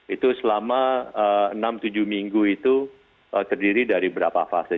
itu selama enam tujuh minggu itu terdiri dari berapa fase